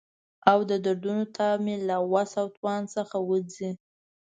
او د دردونو تاب مې له وس او توان څخه وځي.